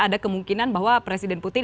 ada kemungkinan bahwa presiden putin